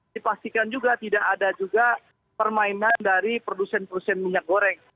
dipastikan juga tidak ada juga permainan dari produsen produsen minyak goreng